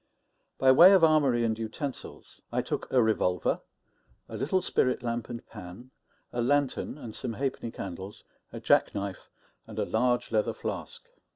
By way of armoury and utensils, I took a revolver, a little spirit lamp and pan, a lantern and some halfpenny candles, a jack knife and a large leather flask.